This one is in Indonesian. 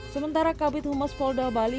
sementara kabit humas polda bali